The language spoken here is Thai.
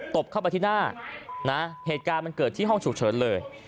บเข้าไปที่หน้านะเหตุการณ์มันเกิดที่ห้องฉุกเฉินเลย